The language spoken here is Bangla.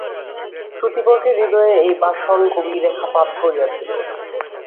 শ্রোতৃবর্গের হৃদয়ে এই ভাষণ গভীর রেখাপাত করিয়াছিল।